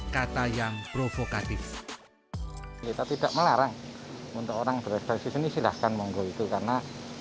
kata yang provokatif kita tidak melarang untuk orang bereskasi sini silahkan menggoy itu karena